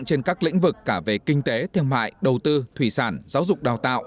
trên các lĩnh vực cả về kinh tế thương mại đầu tư thủy sản giáo dục đào tạo